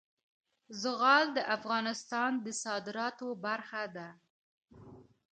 زغال د افغانستان د صادراتو برخه ده.